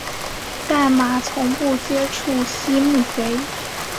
但马从不接触溪木贼。